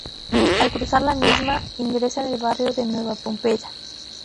Al cruzar la misma, ingresa en el barrio de Nueva Pompeya.